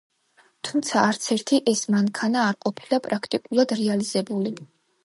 თუმცა არც ერთი ეს მანქანა არ ყოფილა პრაქტიკულად რეალიზებული.